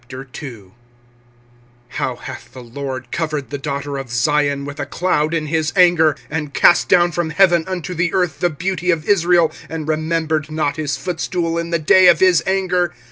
25:002:001 How hath the LORD covered the daughter of Zion with a cloud in his anger, and cast down from heaven unto the earth the beauty of Israel, and remembered not his footstool in the day of his anger!